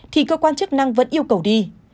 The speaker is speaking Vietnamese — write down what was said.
thì cơ quan chức năng vẫn yêu cầu đi